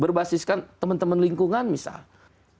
berbasiskan teman teman lingkungan misalnya